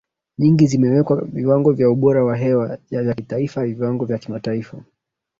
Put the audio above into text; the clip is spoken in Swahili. nyingi zimeweka viwango vya ubora wa hewa ya kitaifa Viwango vya